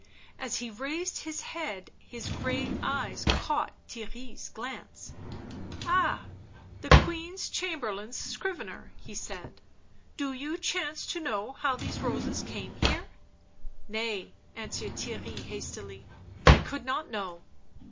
As he raised his head his grey eyes caught Theirry' s glance. Ci Ah! the Queen's Chamberlain's scrivener," he said. xc Do you chance to know how these roses came here?" " Nay," answered Theirry hastily. " I could not know."